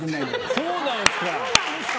そうなんですか？